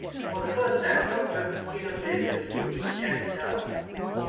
For the first time, Doctor Skinner plays with Skippy in Shantytown.